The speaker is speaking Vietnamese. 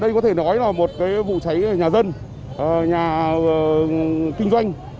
đây có thể nói là một vụ cháy nhà dân nhà kinh doanh